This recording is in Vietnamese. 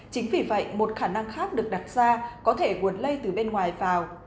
chính vì vậy một khả năng khác được đặt ra có thể nguồn lây từ bên ngoài vào